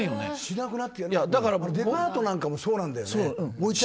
デパートなんかもそうなんだよね。